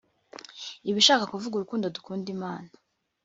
Iba ishaka kuvuga urukundo dukunda Imana